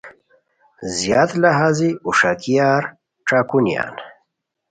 زیاد لہازی اوݰاکیار ݯاکونیان